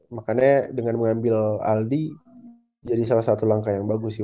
makanya dengan mengambil aldi jadi salah satu langkah yang bagus ya